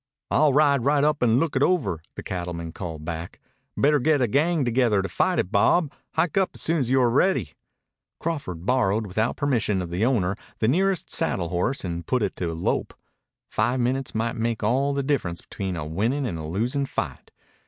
"I'll ride right up and look it over," the cattleman called back. "Better get a gang together to fight it, Bob. Hike up soon as you're ready." Crawford borrowed without permission of the owner the nearest saddle horse and put it to a lope. Five minutes might make all the difference between a winning and a losing fight.